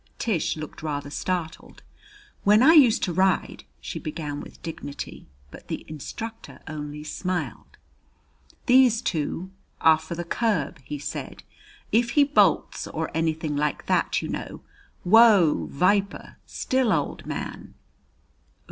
Tish looked rather startled. "When I used to ride " she began with dignity. But the instructor only smiled. "These two are for the curb," he said "if he bolts or anything like that, you know. Whoa, Viper! Still, old man!"